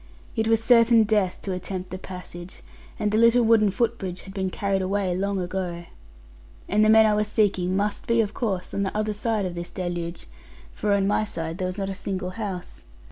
It was certain death to attempt the passage: and the little wooden footbridge had been carried away long ago. And the men I was seeking must be, of course, on the other side of this deluge, for on my side there was not a single house.